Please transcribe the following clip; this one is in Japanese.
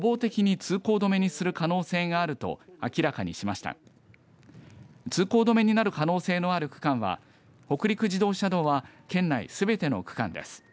通行止めになる可能性のある区間は北陸自動車道は県内すべての区間です。